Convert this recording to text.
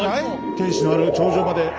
天主のある頂上まで。